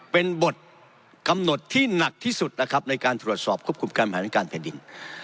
เป็นบทกำหนดที่หนักที่สุดนะครับในการตรวจสอบควบคุมการบริหารการแผ่นดิน